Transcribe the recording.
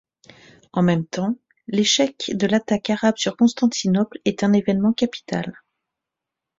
En même temps, l'échec de l'attaque arabe sur Constantinople est un évènement capital.